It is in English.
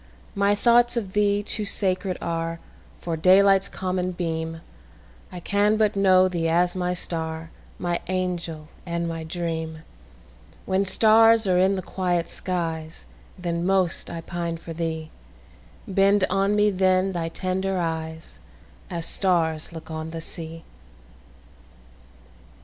My thoughts of thee too sacred areFor daylight's common beam:I can but know thee as my star, My angel and my dream; When stars are in the quiet skies, Then most I pine for thee; Bend on me then thy tender eyes, As stars look on the sea!